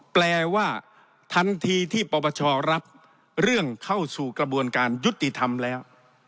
แปลว่าทันทีที่ปปชรับเรื่องเข้าสู่กระบวนการยุติธรรมแล้ว